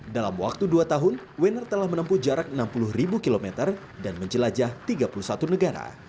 dalam waktu dua tahun wenner telah menempuh jarak enam puluh km dan menjelajah tiga puluh satu negara